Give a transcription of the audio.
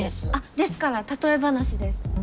ですから例え話です。